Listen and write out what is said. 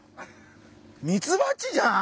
ミツバチじゃん！